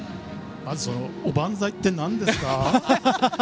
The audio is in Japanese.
おばんざいって何ですか？